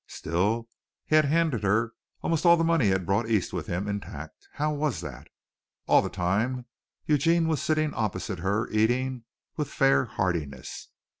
Still, he had handed her almost all the money he had brought East with him intact. How was that? All the time Eugene was sitting opposite her eating with fair heartiness.